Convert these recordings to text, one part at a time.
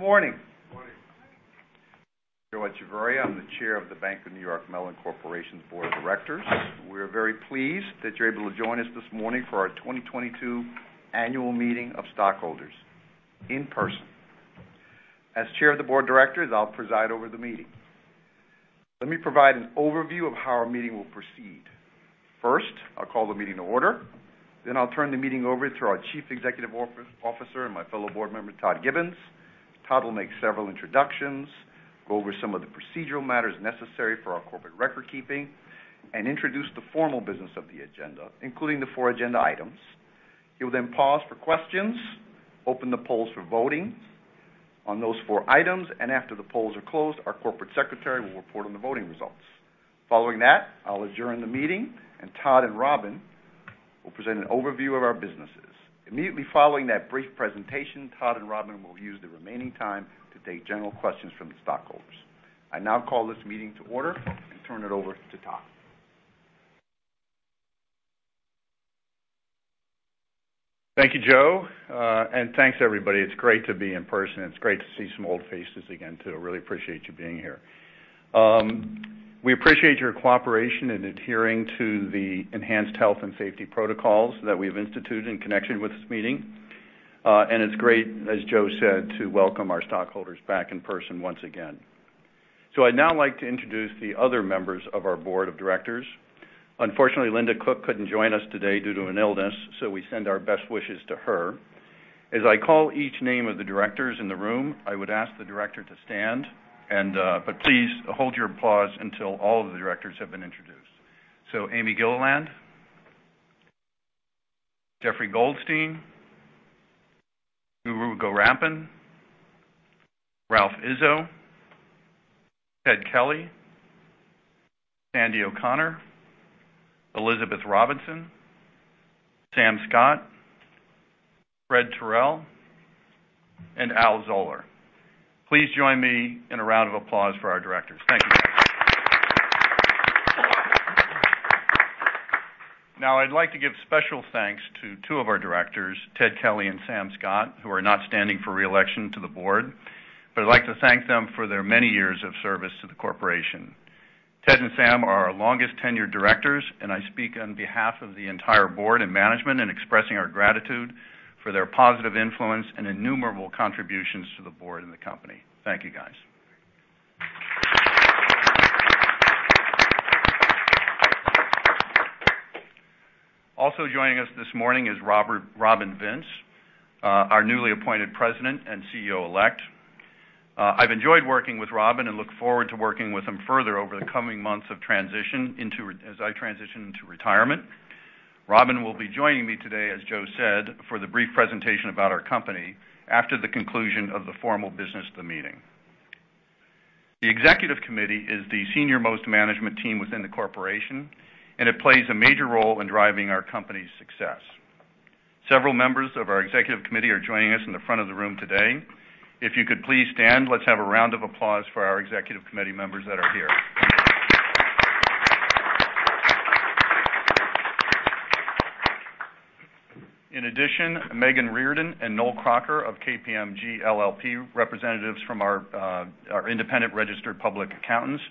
Good morning. Good morning. Joe Echevarria, I'm the Chairman of the Board of Directors of The Bank of New York Mellon Corporation. We're very pleased that you're able to join us this morning for our 2022 annual meeting of stockholders in person. As Chairman of the Board of Directors, I'll preside over the meeting. Let me provide an overview of how our meeting will proceed. First, I'll call the meeting to order, then I'll turn the meeting over to our Chief Executive Officer and my fellow board member, Todd Gibbons. Todd will make several introductions, go over some of the procedural matters necessary for our corporate record-keeping, and introduce the formal business of the agenda, including the four agenda items. He will then pause for questions, open the polls for voting on those four items, and after the polls are closed, our Corporate Secretary will report on the voting results. Following that, I'll adjourn the meeting, and Todd and Robin will present an overview of our businesses. Immediately following that brief presentation, Todd and Robin will use the remaining time to take general questions from the stockholders. I now call this meeting to order and turn it over to Todd. Thank you, Joe. Thanks, everybody. It's great to be in person. It's great to see some old faces again too. Really appreciate you being here. We appreciate your cooperation in adhering to the enhanced health and safety protocols that we've instituted in connection with this meeting. It's great, as Joe said, to welcome our stockholders back in person once again. I'd now like to introduce the other members of our board of directors. Unfortunately, Linda Cook couldn't join us today due to an illness, so we send our best wishes to her. As I call each name of the directors in the room, I would ask the director to stand, but please hold your applause until all of the directors have been introduced. Amy Gilliland. Jeffrey Goldstein. Guru Gowrappan. Ralph Izzo. Ted Kelly. Sandie O'Connor. Elizabeth Robinson. Sam Scott. Fred Terrell, Al Zollar. Please join me in a round of applause for our directors. Thank you. Now, I'd like to give special thanks to two of our directors, Ted Kelly and Sam Scott, who are not standing for re-election to the board. I'd like to thank them for their many years of service to the corporation. Ted and Sam are our longest tenured directors, and I speak on behalf of the entire board and management in expressing our gratitude for their positive influence and innumerable contributions to the board and the company. Thank you, guys. Also joining us this morning is Robin Vince, our newly appointed president and CEO-elect. I've enjoyed working with Robin and look forward to working with him further over the coming months of transition as I transition into retirement. Robin will be joining me today, as Joe said, for the brief presentation about our company after the conclusion of the formal business of the meeting. The executive committee is the senior-most management team within the corporation, and it plays a major role in driving our company's success. Several members of our executive committee are joining us in the front of the room today. If you could please stand. Let's have a round of applause for our executive committee members that are here. In addition, Megan Reardon and Noel Crocker of KPMG LLP, representatives from our independent registered public accountants,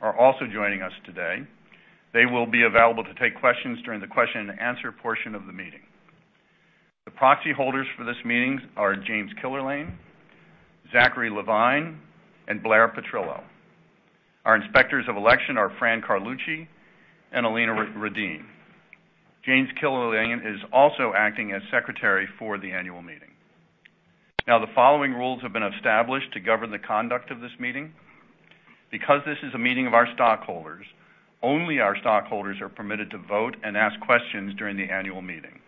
are also joining us today. They will be available to take questions during the question and answer portion of the meeting. The proxy holders for this meeting are James Killerlane, Zachary Levine, and Blair Petrillo. Our inspectors of election are Fran Carlucci and Alina Riden. James Killerlane is also acting as secretary for the annual meeting. Now, the following rules have been established to govern the conduct of this meeting. Because this is a meeting of our stockholders, only our stockholders are permitted to vote and ask questions during the annual meeting.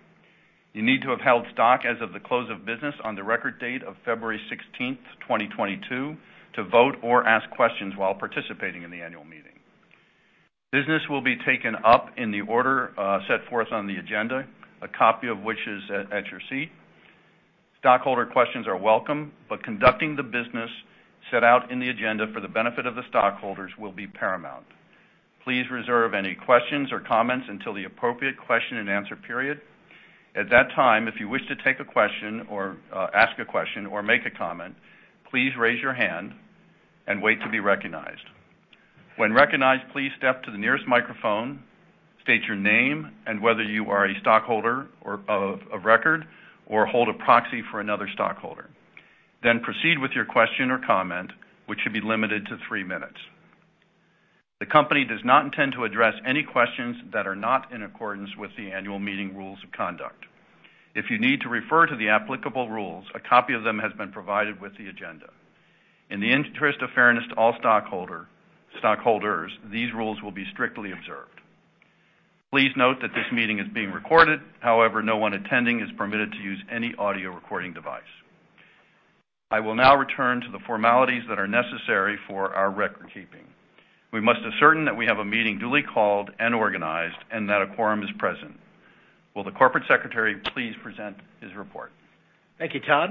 You need to have held stock as of the close of business on the record date of February 16th, 2022 to vote or ask questions while participating in the annual meeting. Business will be taken up in the order set forth on the agenda, a copy of which is at your seat. Stockholder questions are welcome, but conducting the business set out in the agenda for the benefit of the stockholders will be paramount. Please reserve any questions or comments until the appropriate question and answer period. At that time, if you wish to take a question or ask a question or make a comment, please raise your hand and wait to be recognized. When recognized, please step to the nearest microphone, state your name and whether you are a stockholder or of record, or hold a proxy for another stockholder. Then proceed with your question or comment, which should be limited to three minutes. The company does not intend to address any questions that are not in accordance with the annual meeting rules of conduct. If you need to refer to the applicable rules, a copy of them has been provided with the agenda. In the interest of fairness to all stockholders, these rules will be strictly observed. Please note that this meeting is being recorded. However, no one attending is permitted to use any audio recording device. I will now return to the formalities that are necessary for our record-keeping. We must ascertain that we have a meeting duly called and organized and that a quorum is present. Will the corporate secretary please present his report? Thank you, Todd.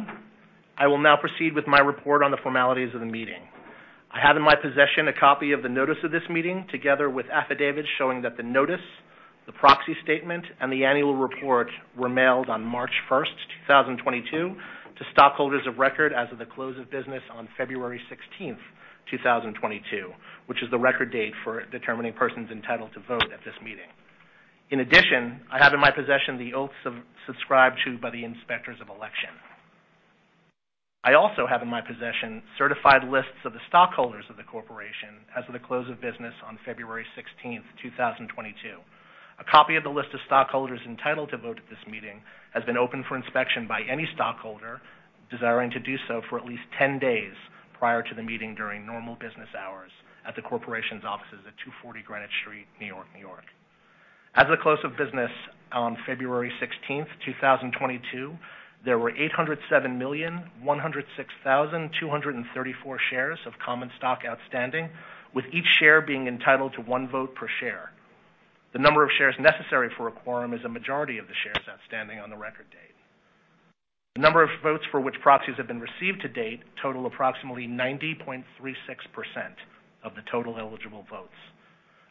I will now proceed with my report on the formalities of the meeting. I have in my possession a copy of the notice of this meeting, together with affidavits showing that the notice, the proxy statement, and the annual report were mailed on March 1st, 2022 to stockholders of record as of the close of business on February 16th, 2022, which is the record date for determining persons entitled to vote at this meeting. In addition, I have in my possession the oaths subscribed to by the inspectors of election. I also have in my possession certified lists of the stockholders of the corporation as of the close of business on February 16th, 2022. A copy of the list of stockholders entitled to vote at this meeting has been open for inspection by any stockholder desiring to do so for at least 10 days prior to the meeting during normal business hours at the corporation's offices at 240 Greenwich Street, New York, N.Y. As of the close of business on February 16th, 2022, there were 807,106,234 shares of common stock outstanding, with each share being entitled to one vote per share. The number of shares necessary for a quorum is a majority of the shares outstanding on the record date. The number of votes for which proxies have been received to date total approximately 90.36% of the total eligible votes.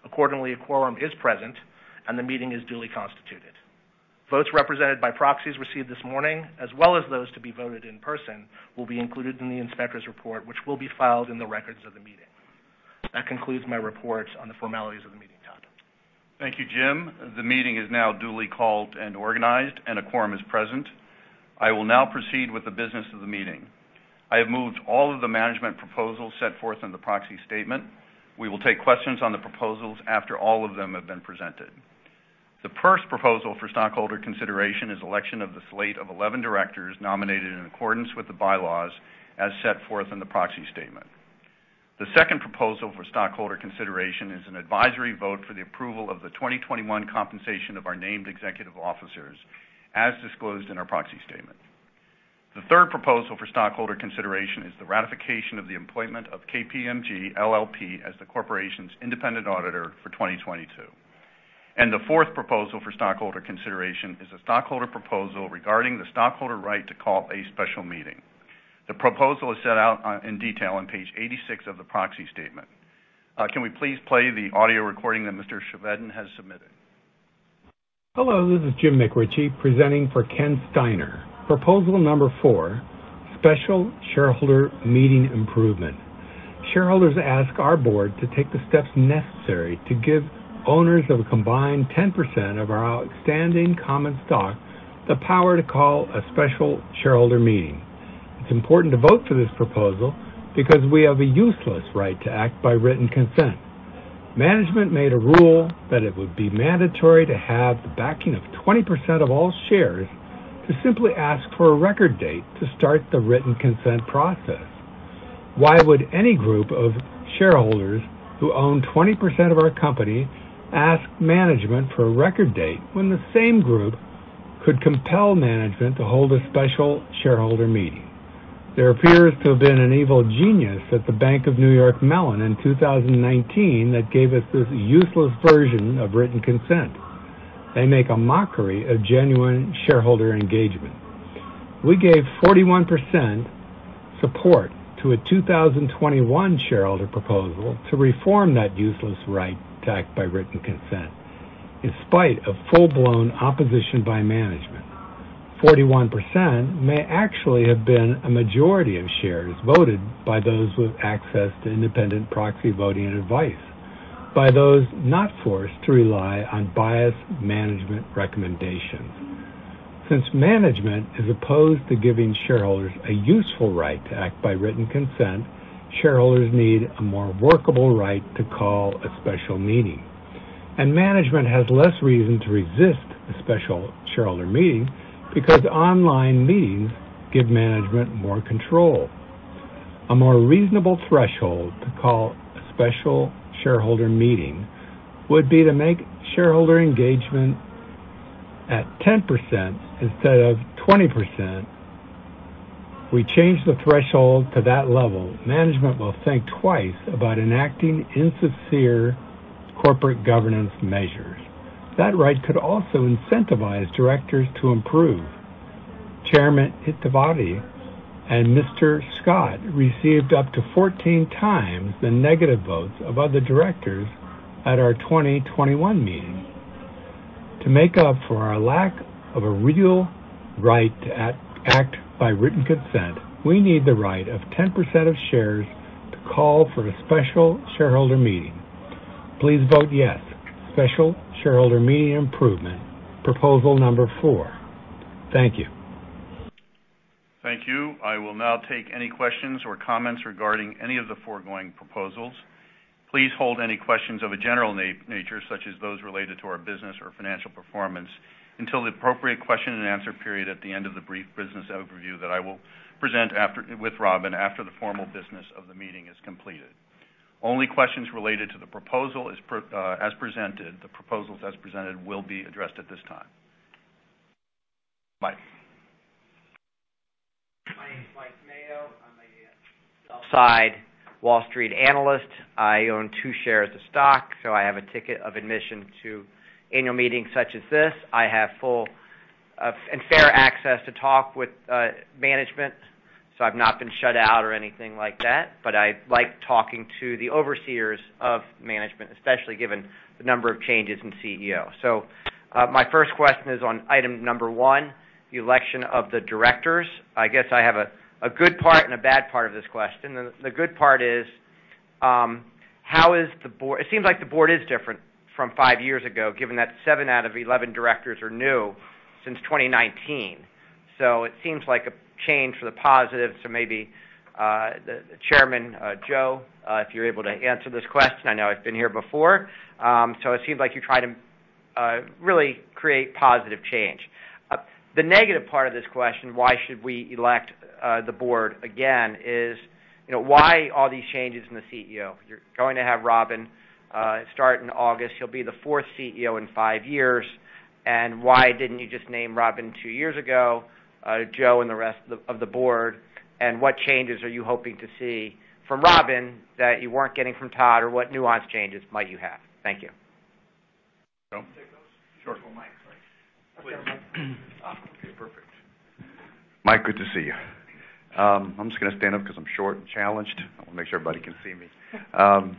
Accordingly, a quorum is present and the meeting is duly constituted. Votes represented by proxies received this morning, as well as those to be voted in person, will be included in the inspector's report, which will be filed in the records of the meeting. That concludes my report on the formalities of the meeting, Todd. Thank you, Jim. The meeting is now duly called and organized and a quorum is present. I will now proceed with the business of the meeting. I have moved all of the management proposals set forth in the proxy statement. We will take questions on the proposals after all of them have been presented. The first proposal for stockholder consideration is election of the slate of 11 directors nominated in accordance with the bylaws as set forth in the proxy statement. The second proposal for stockholder consideration is an advisory vote for the approval of the 2021 compensation of our named executive officers as disclosed in our proxy statement. The third proposal for stockholder consideration is the ratification of the appointment of KPMG LLP as the corporation's independent auditor for 2022. The fourth proposal for stockholder consideration is a stockholder proposal regarding the stockholder right to call a special meeting. The proposal is set out in detail on page 86 of the proxy statement. Can we please play the audio recording that John Chevedden has submitted? Hello, this is Jim McRitchie presenting for Ken Steiner. Proposal number four, special shareholder meeting improvement. Shareholders ask our board to take the steps necessary to give owners of a combined 10% of our outstanding common stock the power to call a special shareholder meeting. It's important to vote for this proposal because we have a useless right to act by written consent. Management made a rule that it would be mandatory to have the backing of 20% of all shares to simply ask for a record date to start the written consent process. Why would any group of shareholders who own 20% of our company ask management for a record date when the same group could compel management to hold a special shareholder meeting? There appears to have been an evil genius at the Bank of New York Mellon in 2019 that gave us this useless version of written consent. They make a mockery of genuine shareholder engagement. We gave 41% support to a 2021 shareholder proposal to reform that useless right to act by written consent in spite of full-blown opposition by management. 41% may actually have been a majority of shares voted by those with access to independent proxy voting advice, by those not forced to rely on biased management recommendations. Since management is opposed to giving shareholders a useful right to act by written consent, shareholders need a more workable right to call a special meeting, and management has less reason to resist a special shareholder meeting because online meetings give management more control. A more reasonable threshold to call a special shareholder meeting would be to make shareholder engagement at 10% instead of 20%. We change the threshold to that level, management will think twice about enacting insincere corporate governance measures. That right could also incentivize directors to improve. Chairman Echevarria and Mr. Scott received up to 14 times the negative votes of other directors at our 2021 meeting. To make up for our lack of a real right to act by written consent, we need the right of 10% of shares to call for a special shareholder meeting. Please vote yes. Special shareholder meeting improvement, proposal number four. Thank you. Thank you. I will now take any questions or comments regarding any of the foregoing proposals. Please hold any questions of a general nature, such as those related to our business or financial performance, until the appropriate question and answer period at the end of the brief business overview that I will present with Robin after the formal business of the meeting is completed. Only questions related to the proposals as presented will be addressed at this time. Mike. My name is Mike Mayo. I'm a sell-side Wall Street analyst. I own two shares of stock, so I have a ticket of admission to annual meetings such as this. I have full fair access to talk with management, so I've not been shut out or anything like that. I like talking to the overseers of management, especially given the number of changes in CEO. My first question is on item number one, the election of the directors. I guess I have a good part and a bad part of this question. The good part is how is the board. It seems like the board is different from five years ago, given that seven out of 11 directors are new since 2019. It seems like a change for the positive. Maybe the Chairman, Joe, if you're able to answer this question, I know I've been here before, so it seems like you're trying to really create positive change. The negative part of this question, why should we elect the board again, is, you know, why all these changes in the CEO? You're going to have Robin start in August. He'll be the fourth CEO in five years. Why didn't you just name Robin two years ago, Joe and the rest of the board? What changes are you hoping to see from Robin that you weren't getting from Todd? Or what nuanced changes might you have? Thank you. Joe? You take those? Sure. Use the mic. Please. Okay, perfect. Mike, good to see you. I'm just gonna stand up because I'm short and challenged. I wanna make sure everybody can see me.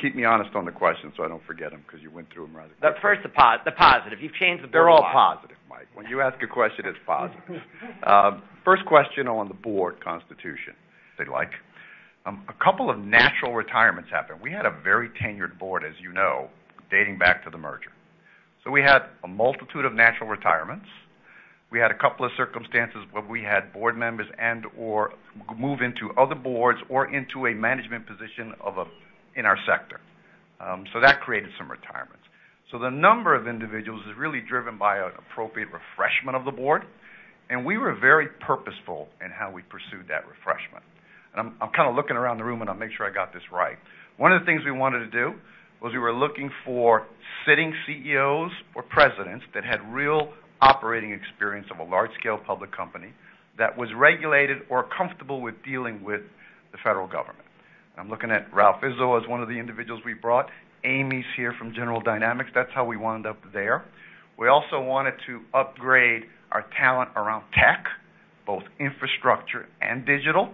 Keep me honest on the questions so I don't forget them, because you went through them rather quickly. First, the positive. You've changed the board lot. They're all positive, Mike. When you ask a question, it's positive. First question on the board constitution, if they like. A couple of natural retirements happened. We had a very tenured board, as you know, dating back to the merger. We had a multitude of natural retirements. We had a couple of circumstances where we had board members and/or move into other boards or into a management position in our sector. That created some retirements. The number of individuals is really driven by an appropriate refreshment of the board, and we were very purposeful in how we pursued that refreshment. I'm kind of looking around the room, and I'll make sure I got this right. One of the things we wanted to do was we were looking for sitting CEOs or presidents that had real operating experience of a large-scale public company that was regulated or comfortable with dealing with the federal government. I'm looking at Ralph Izzo as one of the individuals we brought. Amy's here from General Dynamics. That's how we wound up there. We also wanted to upgrade our talent around tech, both infrastructure and digital.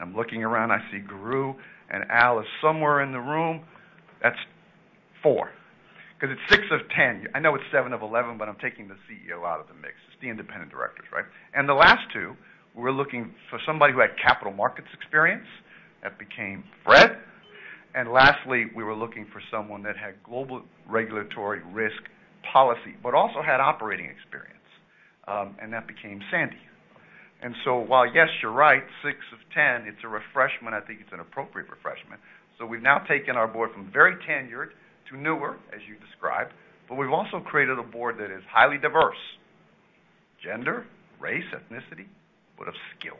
I'm looking around, I see Guru, and Al is somewhere in the room. That's four because it's six of 10. I know it's seven of 11, but I'm taking the CEO out of the mix. It's the independent directors, right? The last two, we were looking for somebody who had capital markets experience. That became Fred. Lastly, we were looking for someone that had global regulatory risk policy, but also had operating experience, and that became Sandie. While, yes, you're right, six of 10, it's a refreshment. I think it's an appropriate refreshment. We've now taken our board from very tenured to newer, as you described, but we've also created a board that is highly diverse, gender, race, ethnicity, but of skills.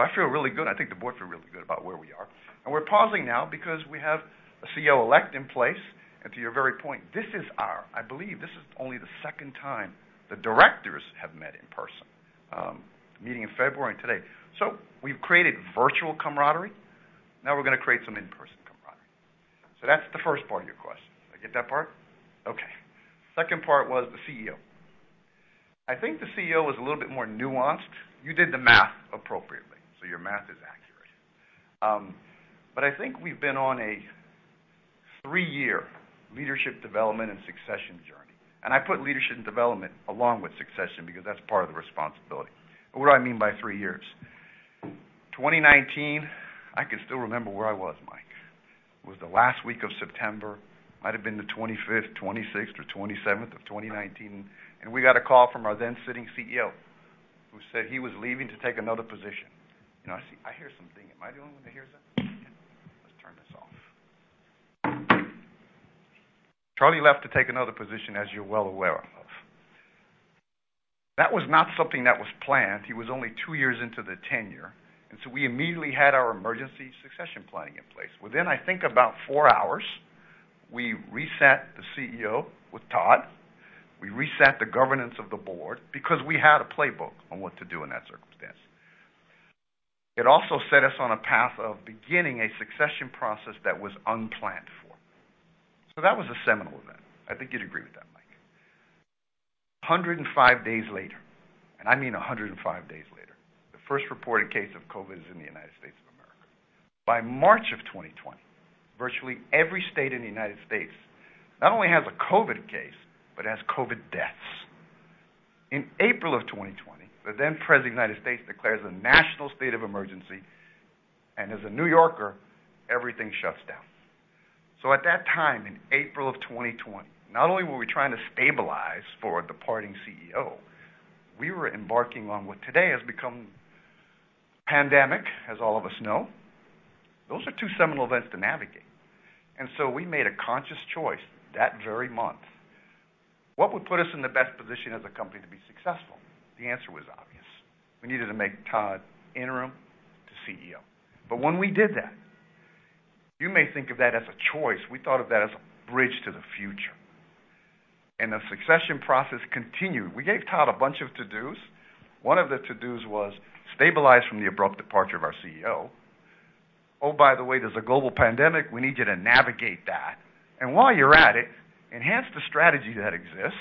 I feel really good. I think the board feel really good about where we are. We're pausing now because we have a CEO-elect in place. To your very point, this is our. I believe this is only the second time the directors have met in person, the meeting in February and today. We've created virtual camaraderie. Now we're gonna create some in-person camaraderie. That's the first part of your question. Did I get that part? Okay. Second part was the CEO. I think the CEO was a little bit more nuanced. You did the math appropriately, so your math is accurate. But I think we've been on a three-year leadership development and succession journey, and I put leadership and development along with succession because that's part of the responsibility. What do I mean by three years? 2019, I can still remember where I was, Mike. It was the last week of September. Might have been the 25th, 26th, or 27th of 2019, and we got a call from our then sitting CEO who said he was leaving to take another position. I hear something. Am I the only one that hears that? Let's turn this off. Charlie left to take another position, as you're well aware of. That was not something that was planned. He was only two years into the tenure, and we immediately had our emergency succession planning in place. Within, I think about four hours, we reset the CEO with Todd. We reset the governance of the board because we had a playbook on what to do in that circumstance. It also set us on a path of beginning a succession process that was unplanned for. That was a seminal event. I think you'd agree with that, Mike. 105 days later, and I mean 105 days later, the first reported case of COVID is in the United States of America. By March of 2020, virtually every state in the United States not only has a COVID case, but has COVID deaths. In April 2020, the then president of the United States declares a national state of emergency, and as a New Yorker, everything shuts down. At that time, in April 2020, not only were we trying to stabilize for a departing CEO, we were embarking on what today has become a pandemic, as all of us know. Those are two seminal events to navigate. We made a conscious choice that very month. What would put us in the best position as a company to be successful? The answer was obvious. We needed to make Todd interim CEO. When we did that, you may think of that as a choice. We thought of that as a bridge to the future. The succession process continued. We gave Todd a bunch of to-dos. One of the to-dos was to stabilize from the abrupt departure of our CEO. Oh, by the way, there's a global pandemic. We need you to navigate that. While you're at it, enhance the strategy that exists.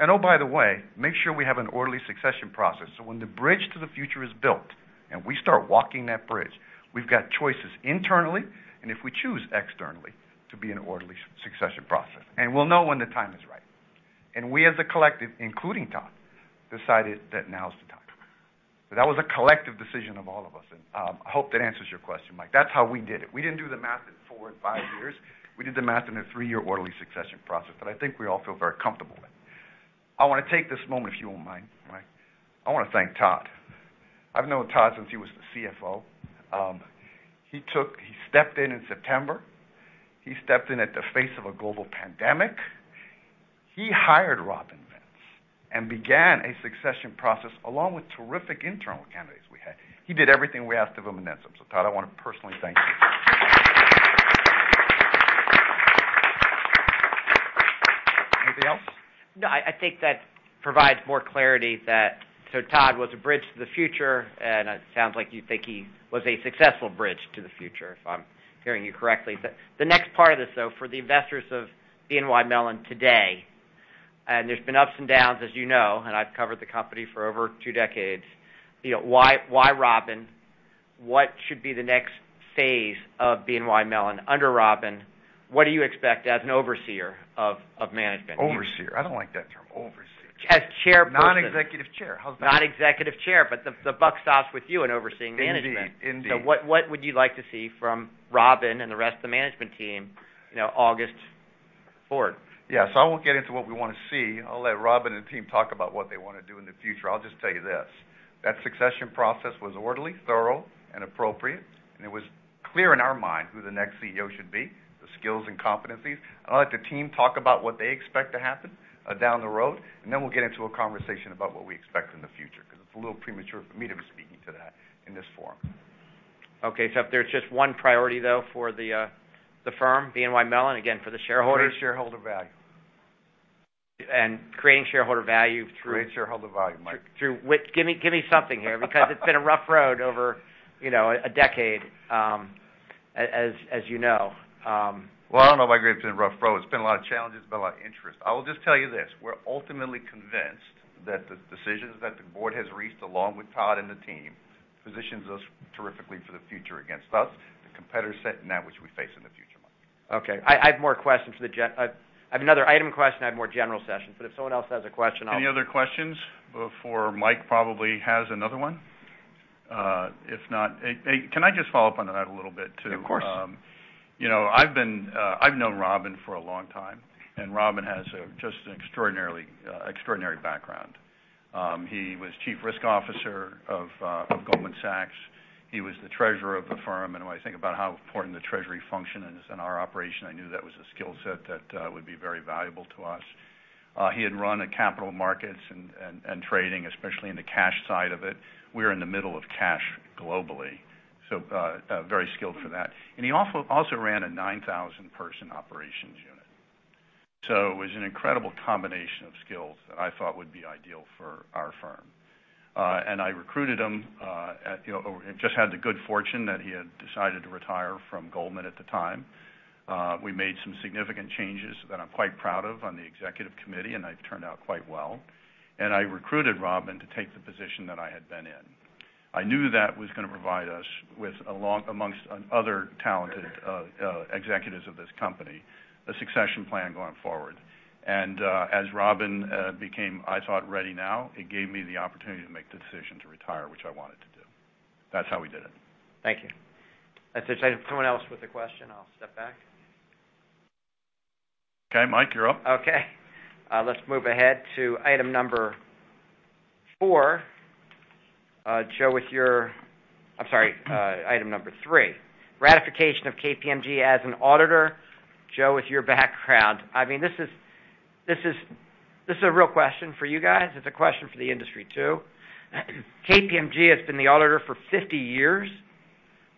Oh, by the way, make sure we have an orderly succession process. When the bridge to the future is built and we start walking that bridge, we've got choices internally, and if we choose, externally, to be an orderly succession process. We'll know when the time is right. We, as a collective, including Todd, decided that now is the time. That was a collective decision of all of us. I hope that answers your question, Mike. That's how we did it. We didn't do the math at four and five years. We did the math in a three-year orderly succession process that I think we all feel very comfortable with. I wanna take this moment, if you don't mind, Mike. I wanna thank Todd. I've known Todd since he was the CFO. He stepped in in September. He stepped in at the face of a global pandemic. He hired Robin Vince and began a succession process, along with terrific internal candidates we had. He did everything we asked of him and then some. Todd, I wanna personally thank you. Anything else? No, I think that provides more clarity that so Todd was a bridge to the future, and it sounds like you think he was a successful bridge to the future, if I'm hearing you correctly. The next part of this, though, for the investors of BNY Mellon today, and there's been ups and downs, as you know, and I've covered the company for over two decades. You know, why Robin? What should be the next phase of BNY Mellon under Robin? What do you expect as an overseer of management? Overseer? I don't like that term. Overseer. As Chairperson. Non-executive chair. How's that? Non-executive chair. The buck stops with you in overseeing management. Indeed. Indeed. What would you like to see from Robin and the rest of the management team, you know, August forward? Yeah. I won't get into what we wanna see. I'll let Robin and the team talk about what they wanna do in the future. I'll just tell you this. That succession process was orderly, thorough, and appropriate, and it was clear in our mind who the next CEO should be, the skills and competencies. I'll let the team talk about what they expect to happen, down the road, and then we'll get into a conversation about what we expect in the future, because it's a little premature for me to be speaking to that in this forum. Okay. If there's just one priority, though, for the firm, BNY Mellon, again, for the shareholders. Create shareholder value. Creating shareholder value through? Create shareholder value, Mike. Give me something here. Because it's been a rough road over, you know, a decade, as you know. Well, I don't know about it being a rough road. It's been a lot of challenges, been a lot of interest. I will just tell you this. We're ultimately convinced that the decisions that the board has reached, along with Todd and the team, positions us terrifically for the future against the competitor set, and that which we face in the future, Mike. Okay. I have more questions. I've another item question. I have more general questions. If someone else has a question, I'll- Any other questions before Mike probably has another one? If not, hey, can I just follow up on that a little bit, too? Of course. You know, I've known Robin for a long time, and Robin has an extraordinary background. He was chief risk officer of Goldman Sachs. He was the treasurer of the firm. When I think about how important the treasury function is in our operation, I knew that was a skill set that would be very valuable to us. He had run a capital markets and trading, especially in the cash side of it. We're in the middle of cash globally, so very skilled for that. He also ran a 9,000-person operations unit. It was an incredible combination of skills that I thought would be ideal for our firm. I recruited him, you know. Just had the good fortune that he had decided to retire from Goldman at the time. We made some significant changes that I'm quite proud of on the executive committee, and it turned out quite well. I recruited Robin to take the position that I had been in. I knew that was gonna provide us with, along, amongst other talented executives of this company, the succession plan going forward. As Robin became, I thought, ready now, it gave me the opportunity to make the decision to retire, which I wanted to do. That's how we did it. Thank you. If there's someone else with a question, I'll step back. Okay, Mike, you're up. Okay. Let's move ahead to item number four. Joe, item number three, ratification of KPMG as an auditor. Joe, with your background, I mean, this is a real question for you guys. It's a question for the industry, too. KPMG has been the auditor for 50 years.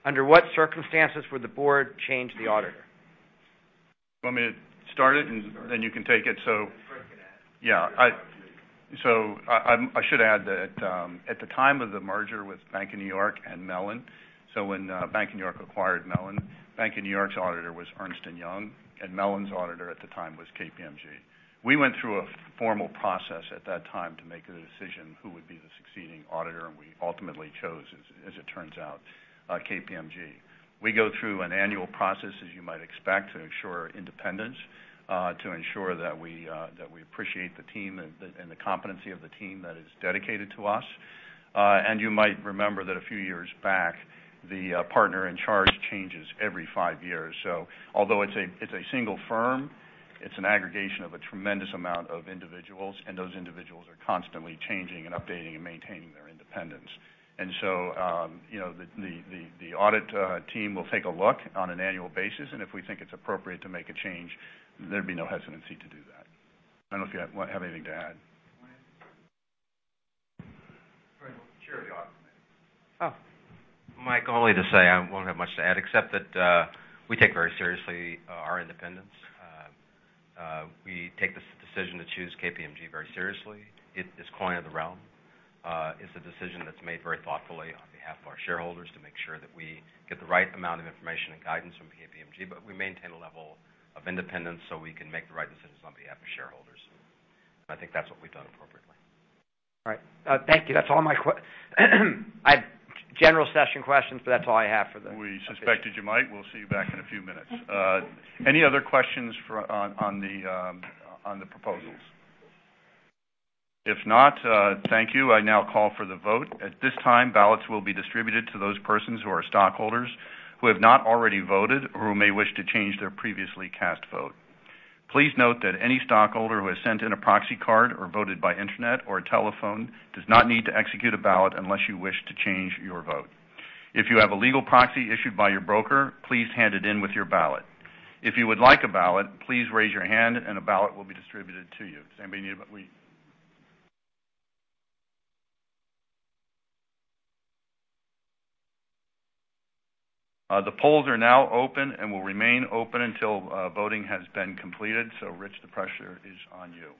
Under what circumstances would the board change the auditor? You want me to start it and then you can take it? Jeffrey Goldstein can add. Yeah. I should add that at the time of the merger with Bank of New York and Mellon, so when Bank of New York acquired Mellon, Bank of New York's auditor was Ernst & Young, and Mellon's auditor at the time was KPMG. We went through a formal process at that time to make a decision who would be the succeeding auditor, and we ultimately chose, as it turns out, KPMG. We go through an annual process, as you might expect, to ensure independence, to ensure that we appreciate the team and the competency of the team that is dedicated to us. You might remember that a few years back, the partner in charge changes every five years. Although it's a single firm, it's an aggregation of a tremendous amount of individuals, and those individuals are constantly changing and updating and maintaining their independence. The audit team will take a look on an annual basis, and if we think it's appropriate to make a change, there'd be no hesitancy to do that. I don't know if you have anything to add. Mike? Jeffrey Goldstein, Chair of the Audit Committee. Oh. Mike, only to say I won't have much to add, except that, we take very seriously, our independence. We take this decision to choose KPMG very seriously. It is coin of the realm. It's a decision that's made very thoughtfully on behalf of our shareholders to make sure that we get the right amount of information and guidance from KPMG, but we maintain a level of independence so we can make the right decisions on behalf of shareholders. I think that's what we've done appropriately. All right. Thank you. I have general session questions, but that's all I have for the- We suspected you might. We'll see you back in a few minutes. Any other questions on the proposals? If not, thank you. I now call for the vote. At this time, ballots will be distributed to those persons who are stockholders, who have not already voted or who may wish to change their previously cast vote. Please note that any stockholder who has sent in a proxy card or voted by internet or telephone does not need to execute a ballot unless you wish to change your vote. If you have a legal proxy issued by your broker, please hand it in with your ballot. If you would like a ballot, please raise your hand and a ballot will be distributed to you. The polls are now open and will remain open until voting has been completed. Rich, the pressure is on you.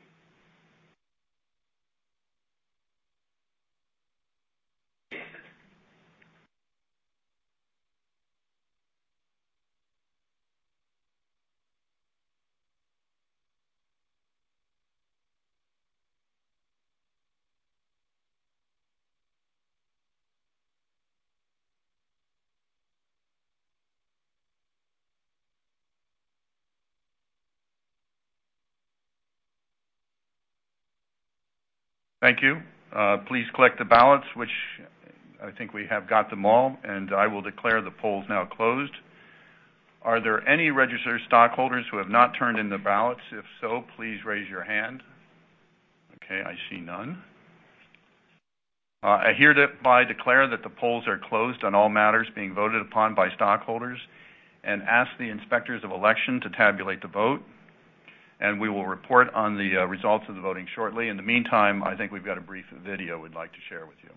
Thank you. Please collect the ballots, which I think we have got them all, and I will declare the polls now closed. Are there any registered stockholders who have not turned in their ballots? If so, please raise your hand. Okay, I see none. I hereby declare that the polls are closed on all matters being voted upon by stockholders and ask the inspectors of election to tabulate the vote, and we will report on the results of the voting shortly. In the meantime, I think we've got a brief video we'd like to share with you.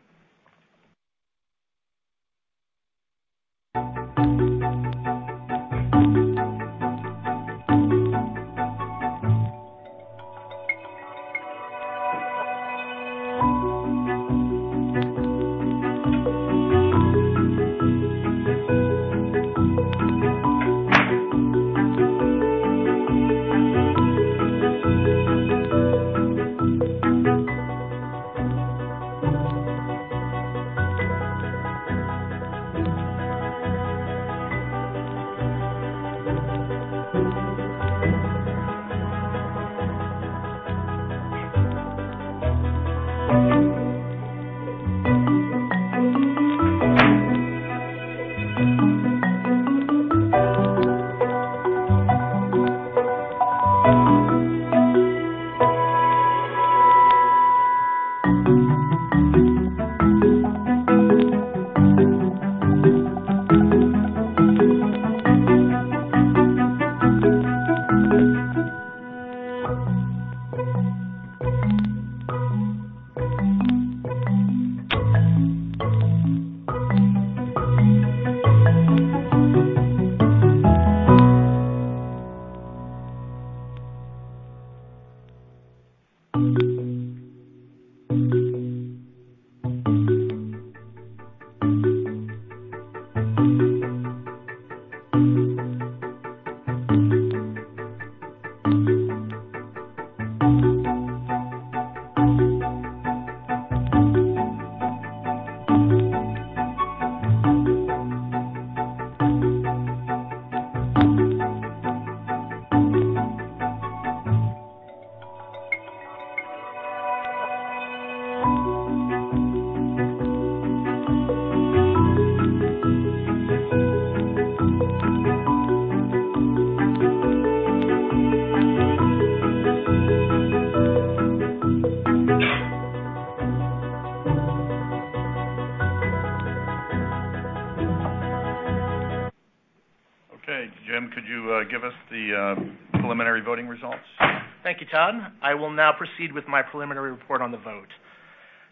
Okay. Jim, could you give us the preliminary voting results? Thank you, Todd. I will now proceed with my preliminary report on the vote.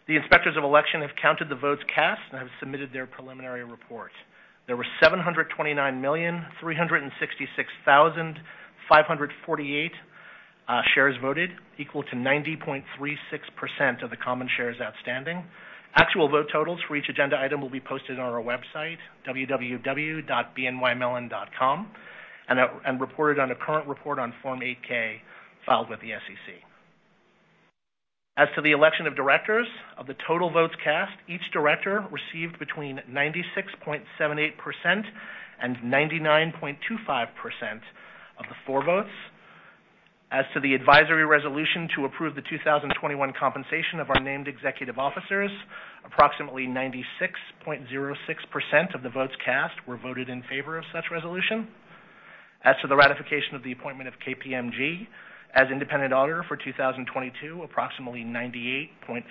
The inspectors of election have counted the votes cast and have submitted their preliminary report. There were 729,366,548 shares voted, equal to 90.36% of the common shares outstanding. Actual vote totals for each agenda item will be posted on our website, www.bnymellon.com, and reported on a current report on Form 8-K filed with the SEC. As to the election of directors of the total votes cast, each director received between 96.78% and 99.25% of the full votes. As to the advisory resolution to approve the 2021 compensation of our named executive officers, approximately 96.06% of the votes cast were voted in favor of such resolution. As to the ratification of the appointment of KPMG as independent auditor for 2022, approximately 98.52%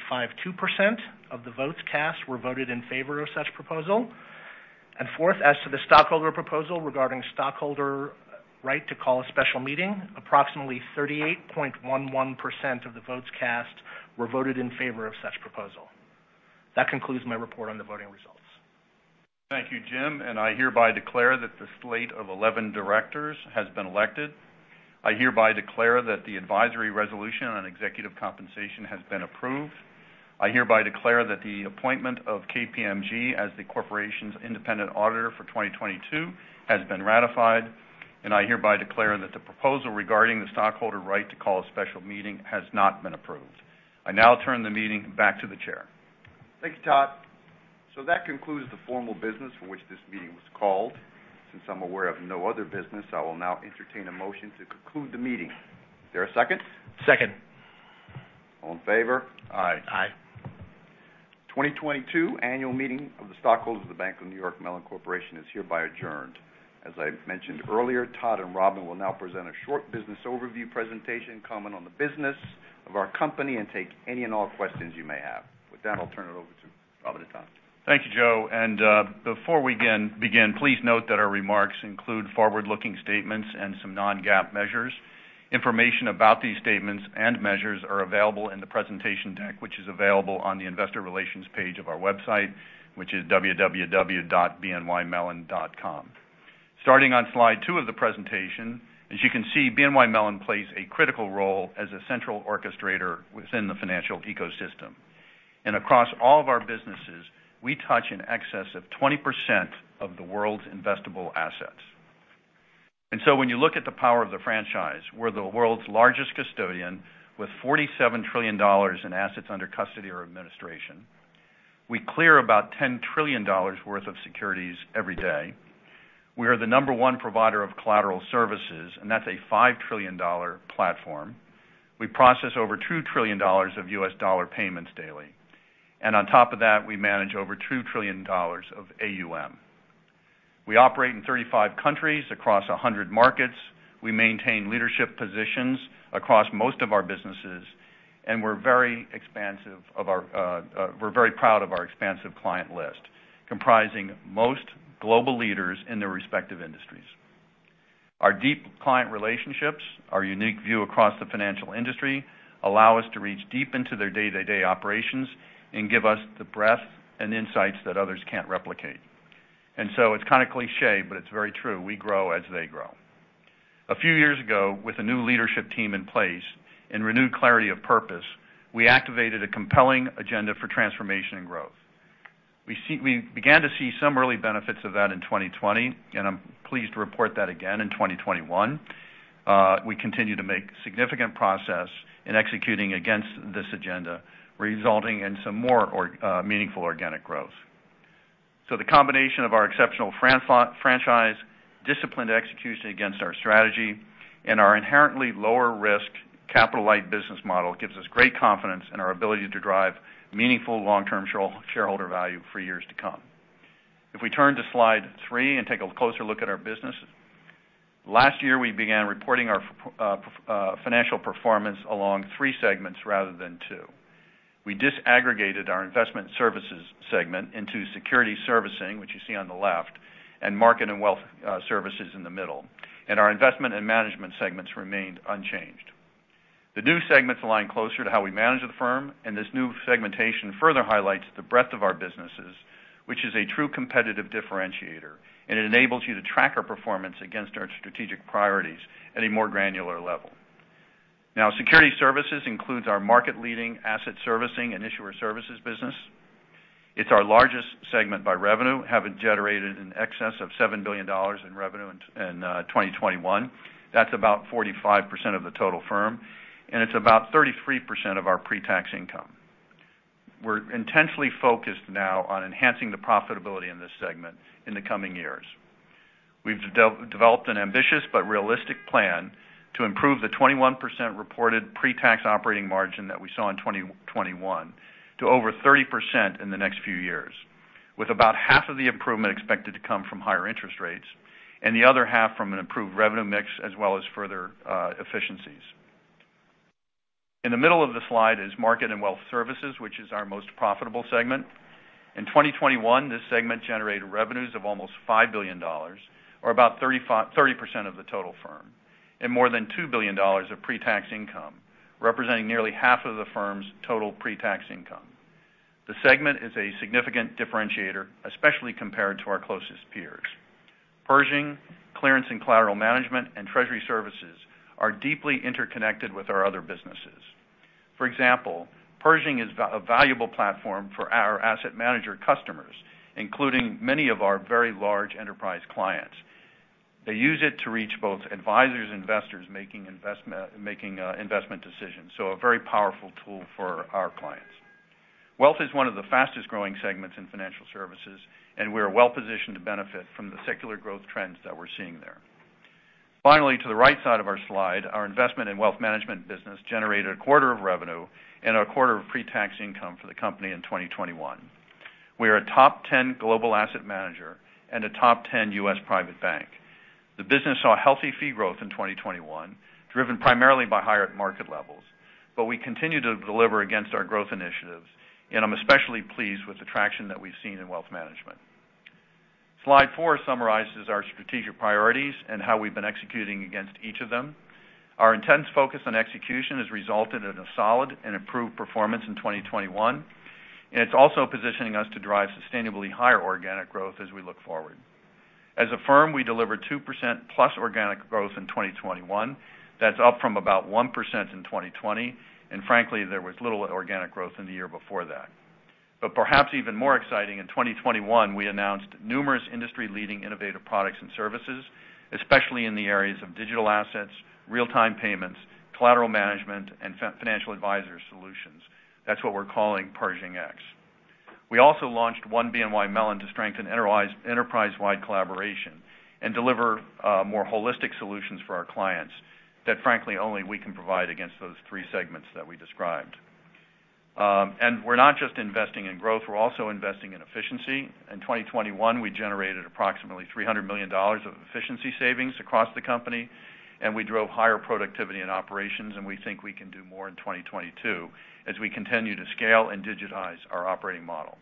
of the votes cast were voted in favor of such proposal. Fourth, as to the stockholder proposal regarding stockholder right to call a special meeting, approximately 38.11% of the votes cast were voted in favor of such proposal. That concludes my report on the voting results. Thank you, Jim. I hereby declare that the slate of 11 directors has been elected. I hereby declare that the advisory resolution on executive compensation has been approved. I hereby declare that the appointment of KPMG as the corporation's independent auditor for 2022 has been ratified. I hereby declare that the proposal regarding the stockholder right to call a special meeting has not been approved. I now turn the meeting back to the chair. Thank you, Todd. That concludes the formal business for which this meeting was called. Since I'm aware of no other business, I will now entertain a motion to conclude the meeting. Is there a second? Second. All in favor? Aye. The 2022 annual meeting of the stockholders of The Bank of New York Mellon Corporation is hereby adjourned. As I mentioned earlier, Todd and Robin will now present a short business overview presentation, comment on the business of our company, and take any and all questions you may have. With that, I'll turn it over to Robin and Todd. Thank you, Joe. Before we begin, please note that our remarks include forward-looking statements and some non-GAAP measures. Information about these statements and measures are available in the presentation deck, which is available on the investor relations page of our website, which is www.bnymellon.com. Starting on slide two of the presentation, as you can see, BNY Mellon plays a critical role as a central orchestrator within the financial ecosystem. Across all of our businesses, we touch in excess of 20% of the world's investable assets. When you look at the power of the franchise, we're the world's largest custodian with $47 trillion in assets under custody or administration. We clear about $10 trillion worth of securities every day. We are the number one provider of collateral services, and that's a $5 trillion platform. We process over $2 trillion of US dollar payments daily. On top of that, we manage over $2 trillion of AUM. We operate in 35 countries across 100 markets. We maintain leadership positions across most of our businesses, and we're very expansive of our, we're very proud of our expansive client list, comprising most global leaders in their respective industries. Our deep client relationships, our unique view across the financial industry allow us to reach deep into their day-to-day operations and give us the breadth and insights that others can't replicate. It's kind of cliché, but it's very true, we grow as they grow. A few years ago, with a new leadership team in place and renewed clarity of purpose, we activated a compelling agenda for transformation and growth. We began to see some early benefits of that in 2020, and I'm pleased to report that again in 2021. We continue to make significant progress in executing against this agenda, resulting in some more meaningful organic growth. The combination of our exceptional franchise, disciplined execution against our strategy, and our inherently lower risk capital-light business model gives us great confidence in our ability to drive meaningful long-term shareholder value for years to come. If we turn to slide three and take a closer look at our business. Last year, we began reporting our financial performance along three segments rather than two. We disaggregated our investment services segment into Securities Servicing, which you see on the left, and Market and Wealth Services in the middle. Our Investment Management segment remained unchanged. The new segments align closer to how we manage the firm, and this new segmentation further highlights the breadth of our businesses, which is a true competitive differentiator, and it enables you to track our performance against our strategic priorities at a more granular level. Now, Securities Services includes our market-leading asset servicing and issuer services business. It's our largest segment by revenue, having generated in excess of $7 billion in revenue in 2021. That's about 45% of the total firm, and it's about 33% of our pre-tax income. We're intensely focused now on enhancing the profitability in this segment in the coming years. We've developed an ambitious but realistic plan to improve the 21% reported pre-tax operating margin that we saw in 2021 to over 30% in the next few years, with about half of the improvement expected to come from higher interest rates and the other half from an improved revenue mix as well as further efficiencies. In the middle of the slide is market and wealth services, which is our most profitable segment. In 2021, this segment generated revenues of almost $5 billion, or about 30% of the total firm, and more than $2 billion of pre-tax income, representing nearly half of the firm's total pre-tax income. The segment is a significant differentiator, especially compared to our closest peers. Pershing, clearance and collateral management, and treasury services are deeply interconnected with our other businesses. For example, Pershing is a valuable platform for our asset manager customers, including many of our very large enterprise clients. They use it to reach both advisors, investors making investment decisions, so a very powerful tool for our clients. Wealth is one of the fastest-growing segments in financial services, and we're well-positioned to benefit from the secular growth trends that we're seeing there. Finally, to the right side of our slide, our investment in wealth management business generated a quarter of revenue and a quarter of pre-tax income for the company in 2021. We are a top 10 global asset manager and a top 10 U.S. private bank. The business saw healthy fee growth in 2021, driven primarily by higher market levels, but we continue to deliver against our growth initiatives, and I'm especially pleased with the traction that we've seen in wealth management. Slide four summarizes our strategic priorities and how we've been executing against each of them. Our intense focus on execution has resulted in a solid and improved performance in 2021, and it's also positioning us to drive sustainably higher organic growth as we look forward. As a firm, we delivered 2%+ organic growth in 2021. That's up from about 1% in 2020, and frankly, there was little organic growth in the year before that. Perhaps even more exciting, in 2021, we announced numerous industry-leading innovative products and services, especially in the areas of digital assets, real-time payments, collateral management, and financial advisor solutions. That's what we're calling Pershing X. We also launched One BNY Mellon to strengthen enterprise-wide collaboration and deliver more holistic solutions for our clients that frankly only we can provide against those three segments that we described. We're not just investing in growth, we're also investing in efficiency. In 2021, we generated approximately $300 million of efficiency savings across the company, and we drove higher productivity in operations, and we think we can do more in 2022 as we continue to scale and digitize our operating model.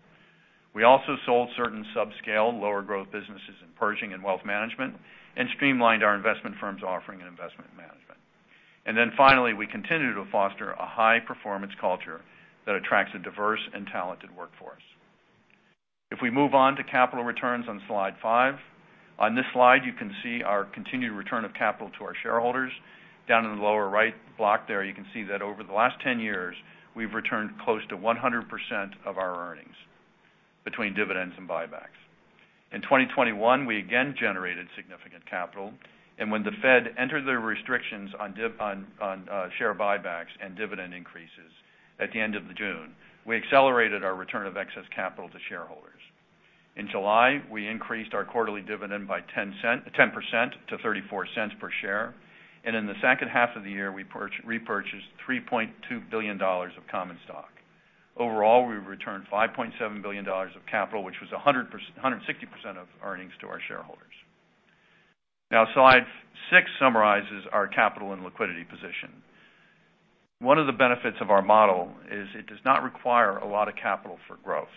We also sold certain subscale, lower growth businesses in Pershing and Wealth Management and streamlined our investment firms offering in investment management. Finally, we continue to foster a high-performance culture that attracts a diverse and talented workforce. If we move on to capital returns on slide five. On this slide, you can see our continued return of capital to our shareholders. Down in the lower right block there, you can see that over the last 10 years, we've returned close to 100% of our earnings between dividends and buybacks. In 2021, we again generated significant capital. When the Fed entered the restrictions on share buybacks and dividend increases at the end of June, we accelerated our return of excess capital to shareholders. In July, we increased our quarterly dividend by 10% to $0.34 per share. In the second half of the year, we repurchased $3.2 billion of common stock. Overall, we returned $5.7 billion of capital, which was 160% of earnings to our shareholders. Now, slide six summarizes our capital and liquidity position. One of the benefits of our model is it does not require a lot of capital for growth.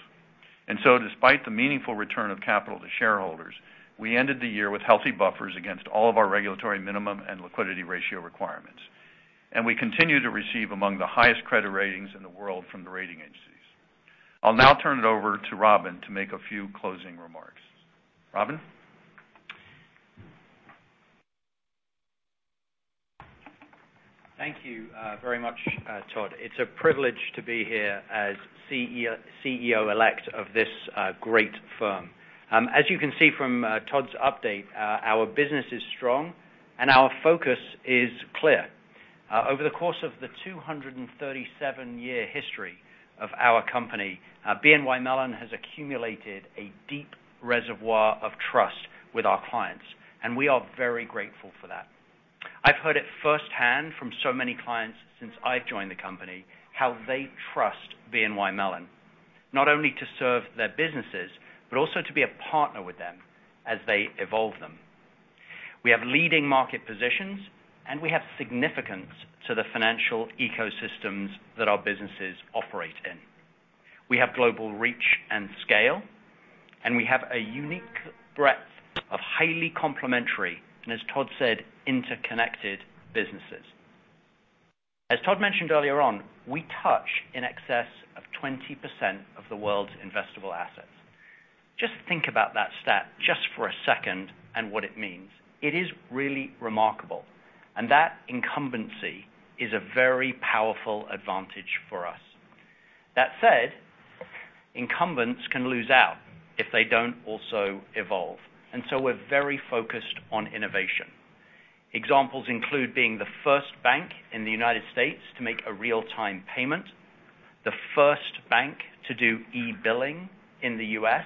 Despite the meaningful return of capital to shareholders, we ended the year with healthy buffers against all of our regulatory minimum and liquidity ratio requirements. We continue to receive among the highest credit ratings in the world from the rating agencies. I'll now turn it over to Robin to make a few closing remarks. Robin? Thank you very much, Todd. It's a privilege to be here as CEO-elect of this great firm. As you can see from Todd's update, our business is strong and our focus is clear. Over the course of the 237-year history of our company, BNY Mellon has accumulated a deep reservoir of trust with our clients, and we are very grateful for that. I've heard it firsthand from so many clients since I've joined the company, how they trust BNY Mellon, not only to serve their businesses, but also to be a partner with them as they evolve them. We have leading market positions, and we have significance to the financial ecosystems that our businesses operate in. We have global reach and scale, and we have a unique breadth of highly complementary, and as Todd said, interconnected businesses. As Todd mentioned earlier on, we touch in excess of 20% of the world's investable assets. Just think about that stat just for a second and what it means. It is really remarkable, and that incumbency is a very powerful advantage for us. That said, incumbents can lose out if they don't also evolve. We're very focused on innovation. Examples include being the first bank in the United States to make a real-time payment, the first bank to do e-billing in the U.S.,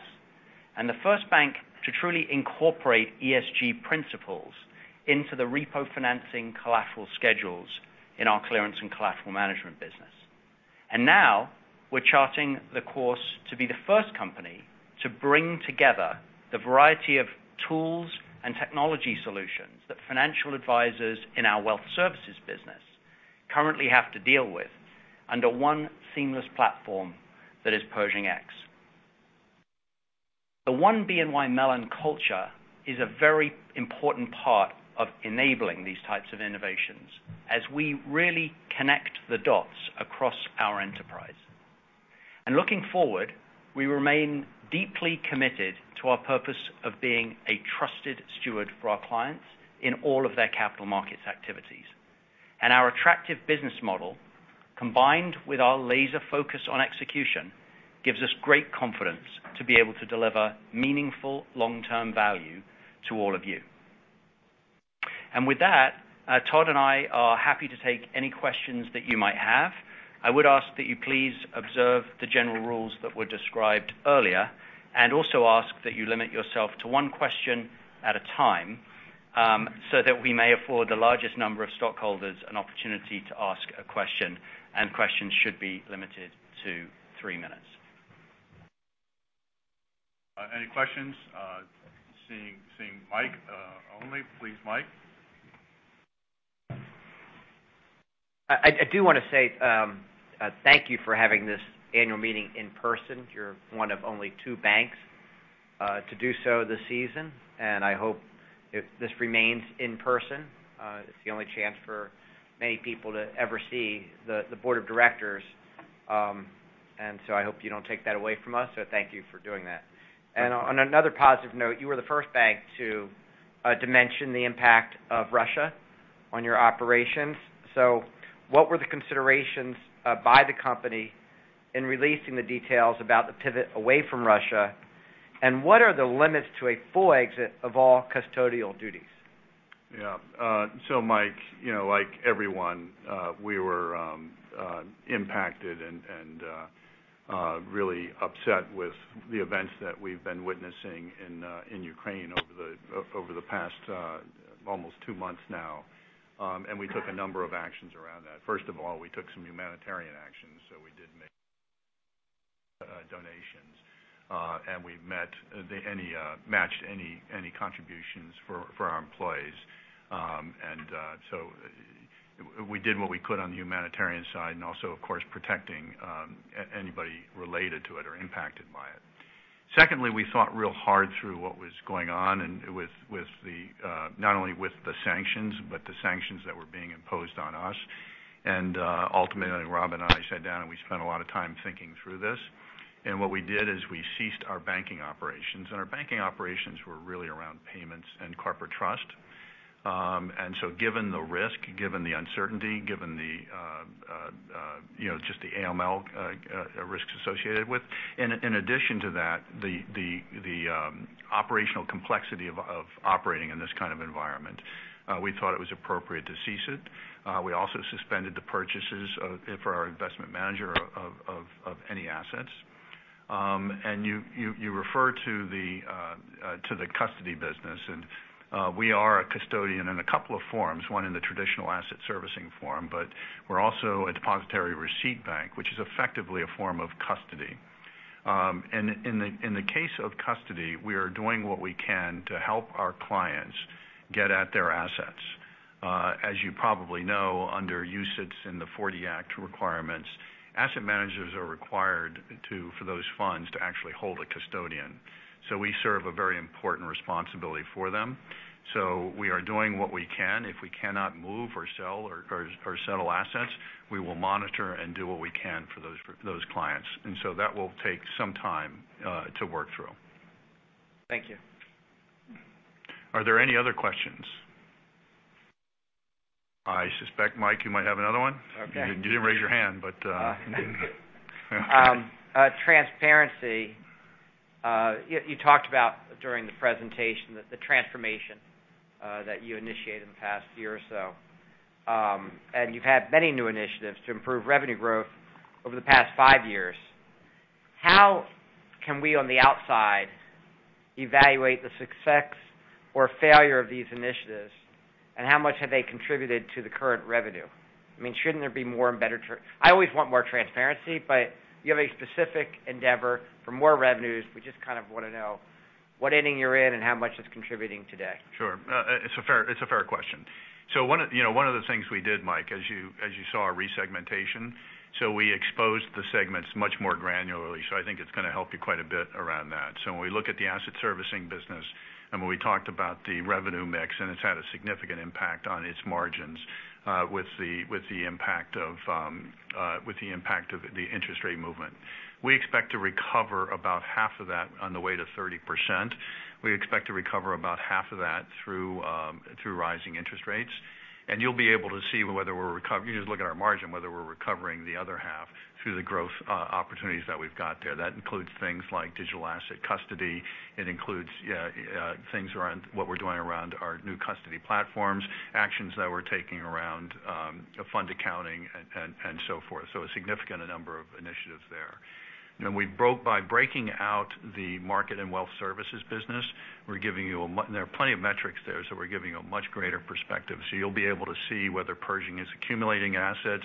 and the first bank to truly incorporate ESG principles into the repo financing collateral schedules in our clearance and collateral management business. Now we're charting the course to be the first company to bring together the variety of tools and technology solutions that financial advisors in our wealth services business currently have to deal with under one seamless platform that is Pershing X. The One BNY Mellon culture is a very important part of enabling these types of innovations as we really connect the dots across our enterprise. Looking forward, we remain deeply committed to our purpose of being a trusted steward for our clients in all of their capital markets activities. Our attractive business model, combined with our laser focus on execution, gives us great confidence to be able to deliver meaningful long-term value to all of you. With that, Todd and I are happy to take any questions that you might have. I would ask that you please observe the general rules that were described earlier, and also ask that you limit yourself to one question at a time, so that we may afford the largest number of stockholders an opportunity to ask a question, and questions should be limited to three minutes. Any questions? Seeing Mike only. Please, Mike. I do want to say thank you for having this annual meeting in person. You're one of only two banks to do so this season, and I hope this remains in person. It's the only chance for many people to ever see the board of directors, and I hope you don't take that away from us. Thank you for doing that. On another positive note, you were the first bank to dimension the impact of Russia on your operations. What were the considerations by the company in releasing the details about the pivot away from Russia? What are the limits to a full exit of all custodial duties? Yeah. So Mike, you know, like everyone, we were impacted and really upset with the events that we've been witnessing in Ukraine over the past almost two months now. We took a number of actions around that. First of all, we took some humanitarian actions, so we did make donations, and we matched any contributions for our employees. We did what we could on the humanitarian side and also, of course, protecting anybody related to it or impacted by it. Secondly, we thought real hard through what was going on and with not only the sanctions, but the sanctions that were being imposed on us. Ultimately, Robin and I sat down and we spent a lot of time thinking through this. What we did is we ceased our banking operations. Our banking operations were really around payments and corporate trust. Given the risk, given the uncertainty, you know, just the AML risks associated with it. In addition to that, the operational complexity of operating in this kind of environment, we thought it was appropriate to cease it. We also suspended the purchases for our investment manager of any assets. You refer to the custody business, and we are a custodian in a couple of forms, one in the traditional asset servicing form, but we're also a depositary receipt bank, which is effectively a form of custody. In the case of custody, we are doing what we can to help our clients get at their assets. As you probably know, under UCITS and the '40 Act requirements, asset managers are required to, for those funds to actually hold a custodian. We serve a very important responsibility for them. We are doing what we can. If we cannot move or sell or settle assets, we will monitor and do what we can for those clients. That will take some time to work through. Thank you. Are there any other questions? I suspect, Mike, you might have another one. Okay. You didn't raise your hand, but. Transparency. You talked about during the presentation the transformation that you initiated in the past year or so. You've had many new initiatives to improve revenue growth over the past five years. How can we on the outside evaluate the success or failure of these initiatives, and how much have they contributed to the current revenue? I mean, shouldn't there be more and better? I always want more transparency, but you have a specific endeavor for more revenues. We just kind of want to know what inning you're in and how much it's contributing today. Sure. It's a fair question. One of, you know, the things we did, Mike, as you saw, a resegmentation, so we exposed the segments much more granularly. I think it's going to help you quite a bit around that. When we look at the asset servicing business and when we talked about the revenue mix, and it's had a significant impact on its margins, with the impact of the interest rate movement. We expect to recover about half of that on the way to 30%. We expect to recover about half of that through rising interest rates. You'll be able to see whether we're recover... You just look at our margin, whether we're recovering the other half through the growth opportunities that we've got there. That includes things like digital asset custody. It includes, yeah, things around what we're doing around our new custody platforms, actions that we're taking around fund accounting and so forth. So a significant number of initiatives there. You know, by breaking out the market and wealth services business, there are plenty of metrics there, so we're giving you a much greater perspective. So you'll be able to see whether Pershing is accumulating assets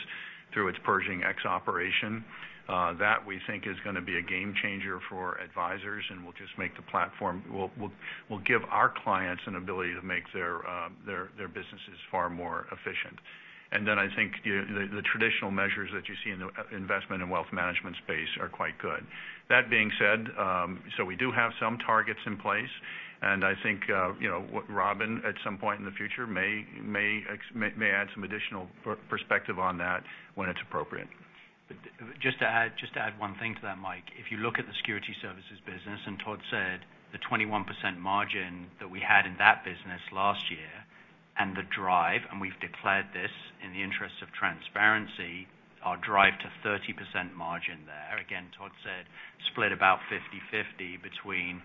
through its Pershing X operation. That we think is gonna be a game changer for advisors, and we'll just make the platform will give our clients an ability to make their businesses far more efficient. I think the traditional measures that you see in the investment and wealth management space are quite good. That being said, we do have some targets in place, and I think, you know, Robin, at some point in the future, may add some additional perspective on that when it's appropriate. Just to add one thing to that, Mike. If you look at the security services business, Todd said the 21% margin that we had in that business last year and the drive, and we've declared this in the interest of transparency, our drive to 30% margin there. Again, Todd said, split about 50/50 between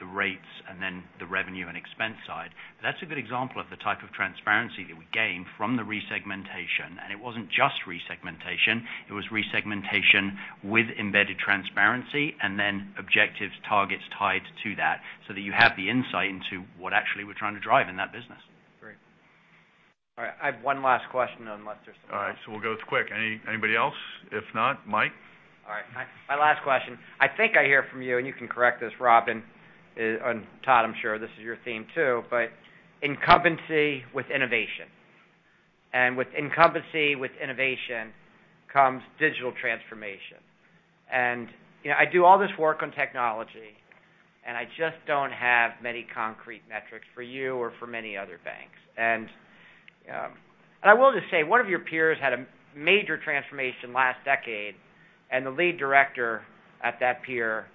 the rates and then the revenue and expense side. That's a good example of the type of transparency that we gain from the resegmentation. It wasn't just resegmentation, it was resegmentation with embedded transparency and then objectives, targets tied to that, so that you have the insight into what actually we're trying to drive in that business. Great. All right. I have one last question, unless there's some- All right. We'll go quick. Anybody else? If not, Mike. All right. My last question. I think I hear from you, and you can correct this, Robin. Todd, I'm sure this is your theme too, but incumbency with innovation. With incumbency, with innovation comes digital transformation. You know, I do all this work on technology, and I just don't have many concrete metrics for you or for many other banks. I will just say, one of your peers had a major transformation last decade, and the lead director at that peer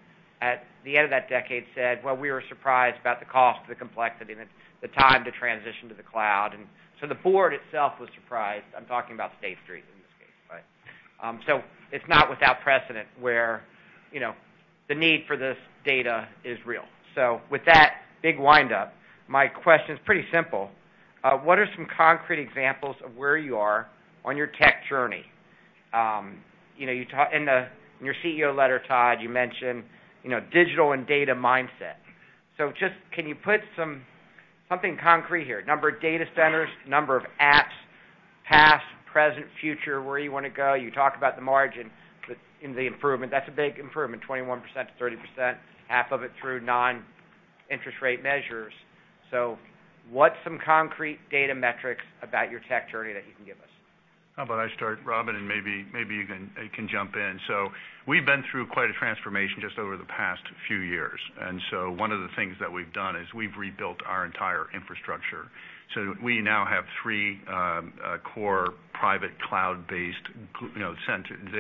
at the end of that decade said, "Well, we were surprised about the cost, the complexity, the time to transition to the cloud." The board itself was surprised. I'm talking about State Street in this case, right? It's not without precedent where, you know, the need for this data is real. With that big wind up, my question is pretty simple. What are some concrete examples of where you are on your tech journey? You know, in your CEO letter, Todd, you mentioned, you know, digital and data mindset. Just can you put something concrete here? Number of data centers, number of apps, past, present, future, where you wanna go. You talked about the margin, but in the improvement, that's a big improvement, 21%-30%, half of it through non-interest rate measures. What's some concrete data metrics about your tech journey that you can give us? How about I start, Robin, and maybe you can jump in. We've been through quite a transformation just over the past few years. One of the things that we've done is we've rebuilt our entire infrastructure. We now have three core private cloud-based, you know,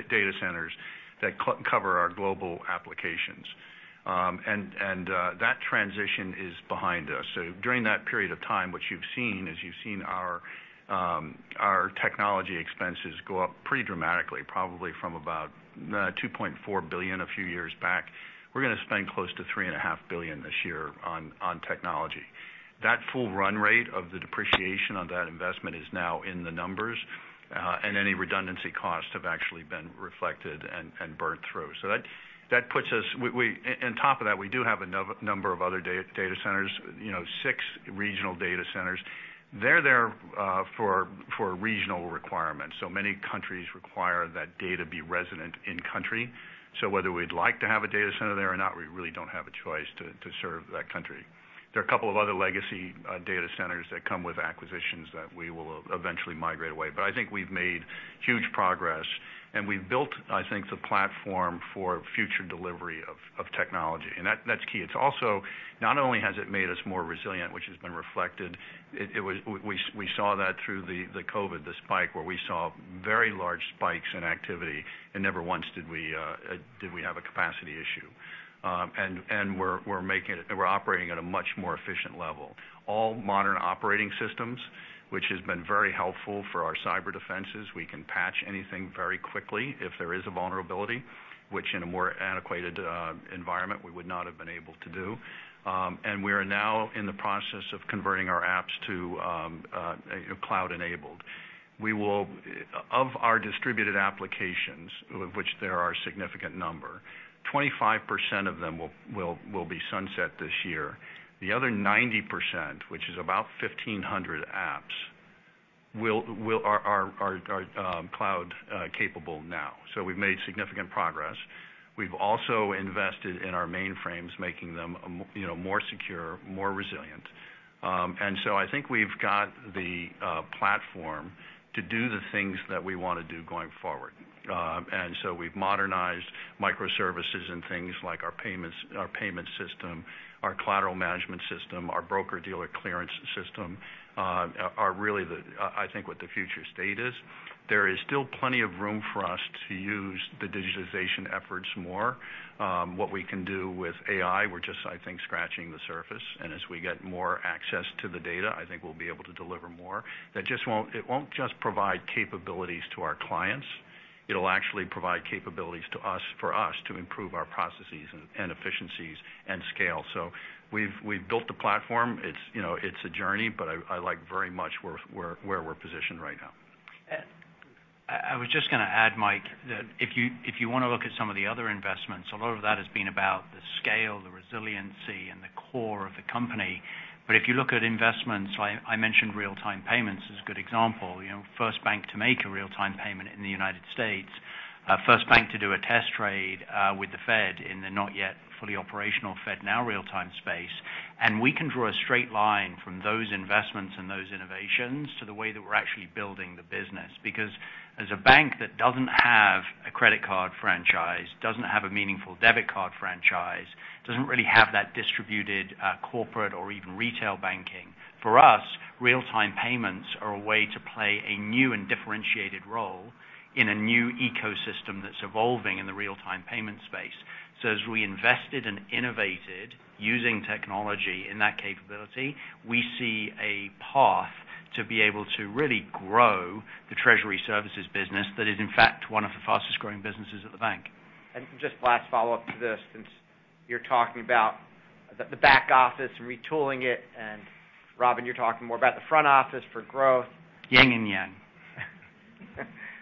data centers that cover our global applications. That transition is behind us. During that period of time, what you've seen is our technology expenses go up pretty dramatically, probably from about $2.4 billion a few years back. We're gonna spend close to $3.5 billion this year on technology. That full run rate of the depreciation on that investment is now in the numbers, and any redundancy costs have actually been reflected and burned through. That puts us. On top of that, we do have a number of other data centers, you know, six regional data centers. They're there for regional requirements. So many countries require that data be resident in country. So whether we'd like to have a data center there or not, we really don't have a choice to serve that country. There are a couple of other legacy data centers that come with acquisitions that we will eventually migrate away. But I think we've made huge progress, and we've built, I think, the platform for future delivery of technology. That's key. It's also not only has it made us more resilient, which has been reflected. We saw that through the COVID spike, where we saw very large spikes in activity, and never once did we have a capacity issue. We're operating at a much more efficient level. All modern operating systems, which has been very helpful for our cyber defenses. We can patch anything very quickly if there is a vulnerability, which in a more antiquated environment, we would not have been able to do. We are now in the process of converting our apps to, you know, cloud-enabled. Of our distributed applications, of which there are a significant number, 25% of them will be sunset this year. The other 90%, which is about 1,500 apps, are cloud capable now. We've made significant progress. We've also invested in our mainframes, making them, you know, more secure, more resilient. I think we've got the platform to do the things that we wanna do going forward. We've modernized microservices and things like our payments, our payment system, our collateral management system, our broker-dealer clearance system are really what I think the future state is. There is still plenty of room for us to use the digitization efforts more. What we can do with AI, we're just, I think, scratching the surface. As we get more access to the data, I think we'll be able to deliver more. It won't just provide capabilities to our clients. It'll actually provide capabilities to us for us to improve our processes and efficiencies and scale. We've built the platform. It's, you know, it's a journey, but I like very much where we're positioned right now. I was just gonna add, Mike, that if you wanna look at some of the other investments, a lot of that has been about the scale, the resiliency, and the core of the company. If you look at investments, I mentioned real-time payments as a good example. You know, first bank to make a real-time payment in the United States. First bank to do a test trade with the Fed in the not yet fully operational FedNow real-time space. We can draw a straight line from those investments and those innovations to the way that we're actually building the business. Because as a bank that doesn't have a credit card franchise, doesn't have a meaningful debit card franchise, doesn't really have that distributed, corporate or even retail banking, for us, real-time payments are a way to play a new and differentiated role in a new ecosystem that's evolving in the real-time payment space. As we invested and innovated using technology in that capability, we see a path to be able to really grow the treasury services business that is in fact one of the fastest growing businesses at the bank. Just last follow-up to this, since you're talking about the back office and retooling it, and Robin, you're talking more about the front office for growth. Yin and yang.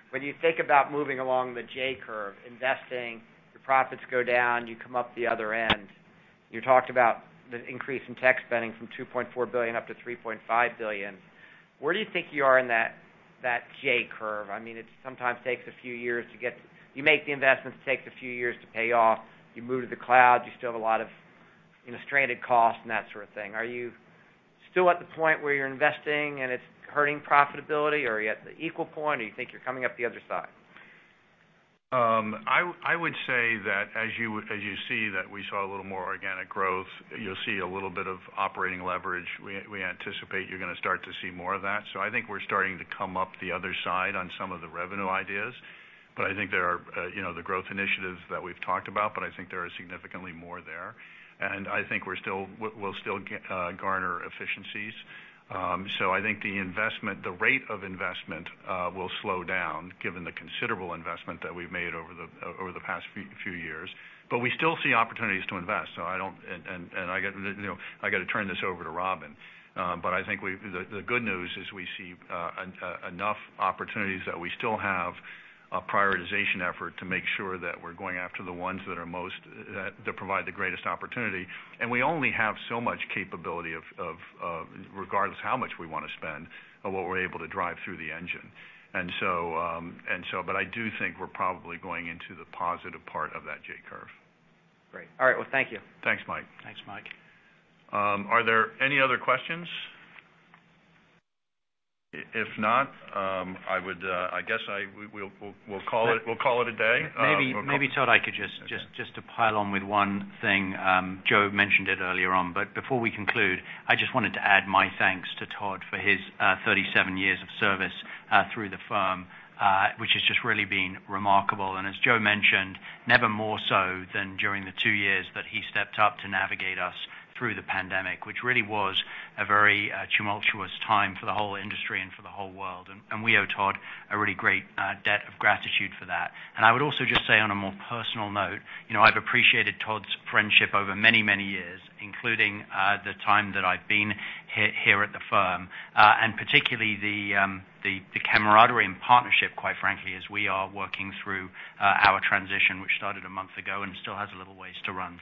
When you think about moving along the J-curve, investing, your profits go down, you come up the other end. You talked about the increase in tech spending from $2.4 billion up to $3.5 billion. Where do you think you are in that J-curve? I mean, it sometimes takes a few years. You make the investment, it takes a few years to pay off. You move to the cloud, you still have a lot of, you know, stranded costs and that sort of thing. Are you still at the point where you're investing and it's hurting profitability, or are you at the equal point? Or you think you're coming up the other side? I would say that as you see that we saw a little more organic growth, you'll see a little bit of operating leverage. We anticipate you're gonna start to see more of that. I think we're starting to come up the other side on some of the revenue ideas. I think there are, you know, the growth initiatives that we've talked about, but I think there are significantly more there. I think we'll still garner efficiencies. I think the investment, the rate of investment, will slow down given the considerable investment that we've made over the past few years. We still see opportunities to invest. I got, you know, I got to turn this over to Robin. I think the good news is we see enough opportunities that we still have a prioritization effort to make sure that we're going after the ones that are most that provide the greatest opportunity. We only have so much capability of regardless of how much we wanna spend or what we're able to drive through the engine. I do think we're probably going into the positive part of that J-curve. Great. All right. Well, thank you. Thanks, Mike. Thanks, Mike. Are there any other questions? If not, I guess we'll call it a day. Maybe, Todd, I could just to pile on with one thing, Joe mentioned it earlier on, but before we conclude, I just wanted to add my thanks to Todd for his 37 years of service through the firm, which has just really been remarkable. As Joe mentioned, never more so than during the two years that he stepped up to navigate us through the pandemic, which really was a very tumultuous time for the whole industry and for the whole world. We owe Todd a really great debt of gratitude for that. I would also just say on a more personal note, you know, I've appreciated Todd's friendship over many, many years, including the time that I've been here at the firm, and particularly the camaraderie and partnership, quite frankly, as we are working through our transition, which started a month ago and still has a little ways to run.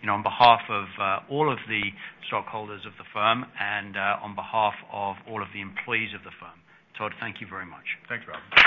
You know, on behalf of all of the stockholders of the firm and on behalf of all of the employees of the firm, Todd, thank you very much. Thanks, Robin.